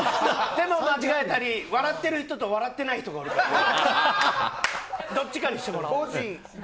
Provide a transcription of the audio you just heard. でも間違えたり笑ってる人と笑ってない人がおるどっちかにして。